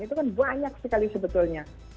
itu kan banyak sekali sebetulnya